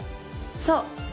そう。